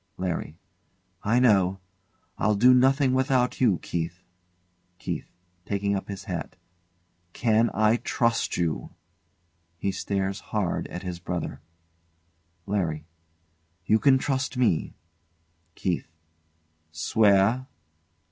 LARRY. I know. I'll do nothing without you, Keith. KEITH. [Taking up his hat] Can I trust you? [He stares hard at his brother.] LARRY. You can trust me. KEITH. Swear?